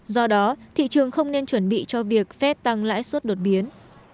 do đó thị trường không nên chuẩn bị cho việc phép tăng lãi suất đột biến